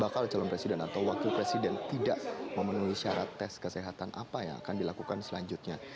bakal calon presiden atau wakil presiden tidak memenuhi syarat tes kesehatan apa yang akan dilakukan selanjutnya